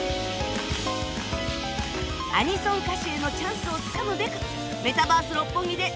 アニソン歌手へのチャンスをつかむべくメタバース六本木でその存在をアピールできるか？